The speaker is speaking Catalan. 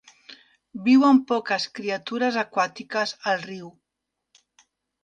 Viuen poques criatures aquàtiques al riu.